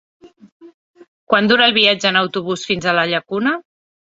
Quant dura el viatge en autobús fins a la Llacuna?